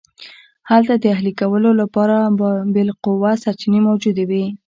هلته د اهلي کولو لپاره بالقوه سرچینې موجودې وې